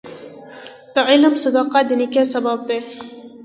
د عمل صداقت د نیکۍ سبب دی.